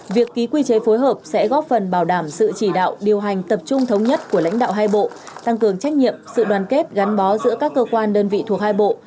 việc ký quy chế phối hợp sẽ góp phần bảo đảm sự chỉ đạo điều hành tập trung thống nhất của lãnh đạo hai bộ tăng cường trách nhiệm sự đoàn kết gắn bó giữa các cơ quan đơn vị thuộc hai bộ